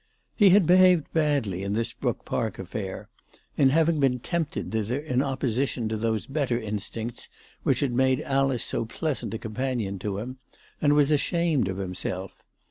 He had behaved badly in this Brook Park affair, in having been tempted thither in opposition to those better instincts which had made Alice so pleasant a companion to him, and was ashamed of himself.